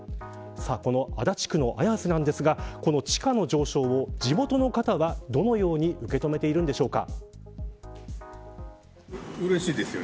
この足立区の綾瀬なんですがこの地価の上昇を地元の方はどのように受け止めているんでしょうか。